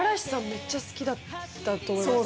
めっちゃ好きだったと思います